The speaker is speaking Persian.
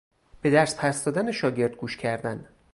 به درس پس دادن شاگرد گوش کردن